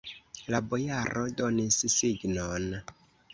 La bojaro donis signon.